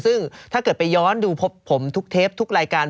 ซึ่งถ้าเกิดไปย้อนดูผมทุกเทปทุกรายการ